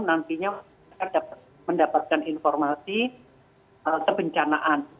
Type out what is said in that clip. nantinya kita akan mendapatkan informasi terbencanaan